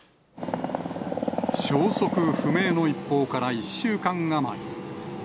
消息不明の一報から１週間余